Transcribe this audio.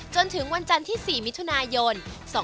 จนถึงวันจันทร์ที่๔มิถุนายน๒๕๖